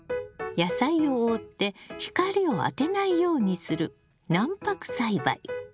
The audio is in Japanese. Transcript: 野菜を覆って光を当てないようにする軟白栽培。